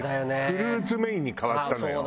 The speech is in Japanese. フルーツメインに変わったのよ。